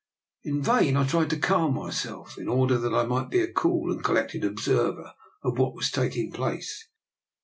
In vain I tried to calm myself, in order that I might be a cool and collected observer of what was taking place.